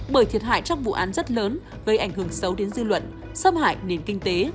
bởi thiệt hại trong vụ án rất lớn gây ảnh hưởng xấu đến dư luận xâm hại nền kinh tế